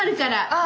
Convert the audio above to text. ああ。